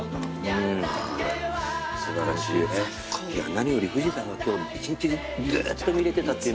何より富士山が今日一日ずっと見れてたっていうのが。